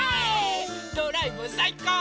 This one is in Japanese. ドライブさいこう！